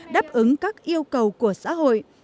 đáp ứng các yêu cầu của xã hội